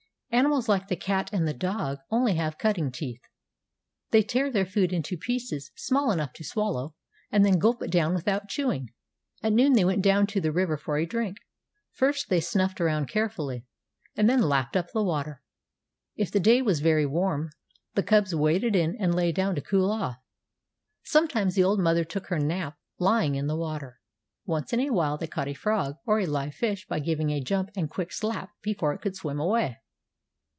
Animals like the cat and the dog have only cutting teeth. They tear their food into pieces small enough to swallow, and then gulp it down without chewing. At noon they went down to the river for a drink. First they snuffed around carefully, and then lapped up the water. If the day was very warm the cubs waded in and lay down to cool off. Sometimes the old mother took her nap lying in the water. Once in a while they caught a frog or a live fish by giving a jump and quick slap before it could swim away.